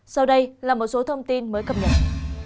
sau đây là một số thông tin mới cập nhật